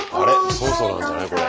そろそろなんじゃないこれ。